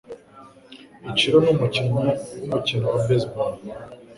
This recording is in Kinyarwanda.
Ichiro numukinnyi wumukino wa baseball.